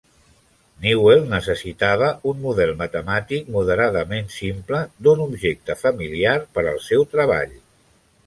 Newell necessitava un model matemàtic moderadament simple d'un objecte familiar per al seu treball.